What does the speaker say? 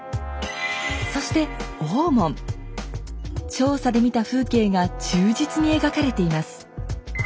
調査で見た風景が忠実に描かれています。